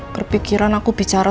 berpikiran aku bicara